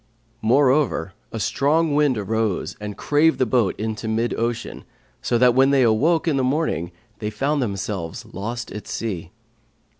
Moreover a strong wind arose and crave the boat into mid ocean, so that when they awoke in the morning, they found themselves lost at sea.